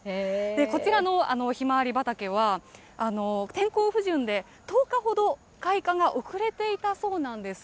こちらのヒマワリ畑は、天候不順で１０日ほど開花が遅れていたそうなんです。